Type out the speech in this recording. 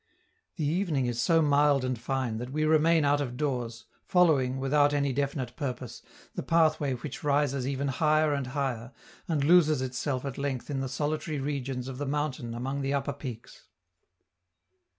The evening is so mild and fine that we remain out of doors, following, without any definite purpose, the pathway which rises ever higher and higher, and loses itself at length in the solitary regions of the mountain among the upper peaks.